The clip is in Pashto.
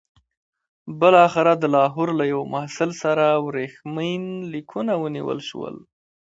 بالاخره د لاهور له یوه محصل سره ورېښمین لیکونه ونیول شول.